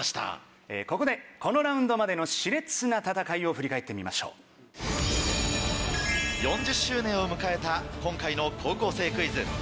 ここでこのラウンドまでの熾烈な戦いを振り返ってみましょう。を迎えた今回の『高校生クイズ』。